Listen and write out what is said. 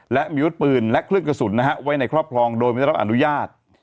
และมีวุฒิปืนและเครื่องกระสุนไว้ในครอบครองโดยไม่ได้รับอนุญาต